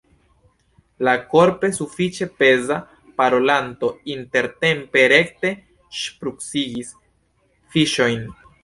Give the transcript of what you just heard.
La korpe sufiĉe peza parolanto intertempe rekte ŝprucigis fiŝojn.